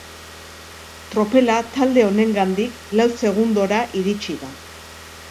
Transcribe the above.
Tropela talde honengandik lau segundora iritsi da.